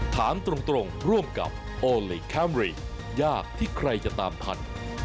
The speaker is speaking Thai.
ถามตรงร่วมกับโอลี่คัมรี่ยากที่ใครจะตามทัน